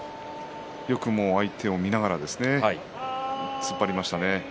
よく相手を見ながら突っ張りましたね。